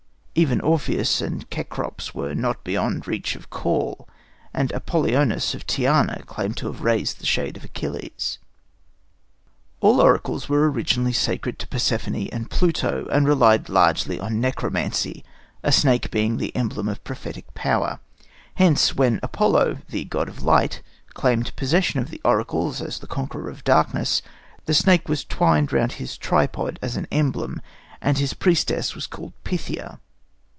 Even Orpheus and Cecrops were not beyond reach of call, and Apollonius of Tyana claimed to have raised the shade of Achilles. All oracles were originally sacred to Persephone and Pluto, and relied largely on necromancy, a snake being the emblem of prophetic power. Hence, when Apollo, the god of light, claimed possession of the oracles as the conqueror of darkness, the snake was twined round his tripod as an emblem, and his priestess was called Pythia.